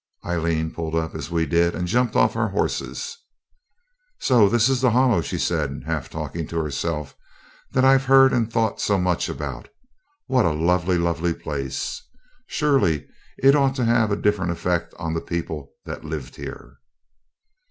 Aileen pulled up as we did, and jumped off our horses. 'So this is the Hollow,' she said, half talking to herself, 'that I've heard and thought so much about. What a lovely, lovely place! Surely it ought to have a different effect on the people that lived there.'